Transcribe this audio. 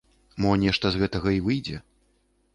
Мо, нешта з гэтага і выйдзе?